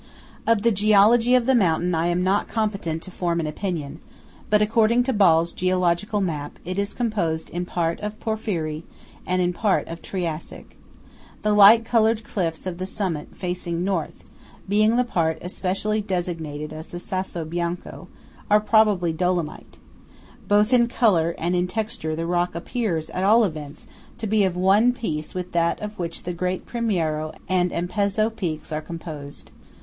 24 Of the geology of the mountain I am not competent to form an opinion; but according to Ball's geological map, it is composed in part of Porphyry, and in part of Triassic. The light coloured cliffs of the summit, facing North, (being the part especially designated as the Sasso Bianco) are probably Dolomite. Both in colour and texture the rock appears, at all events, to be of one piece with that of which the great Primiero and Ampezzo peaks are composed.